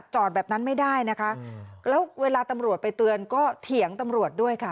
แบบนั้นไม่ได้นะคะแล้วเวลาตำรวจไปเตือนก็เถียงตำรวจด้วยค่ะ